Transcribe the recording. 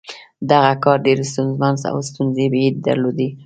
دغه کار ډېر ستونزمن و او ستونزې یې درلودې